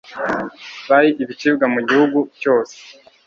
bari ibicibwa mu gihugu cyose